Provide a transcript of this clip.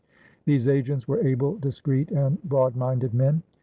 These agents were able, discreet, and broadminded men.